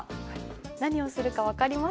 何をするか分かりますか？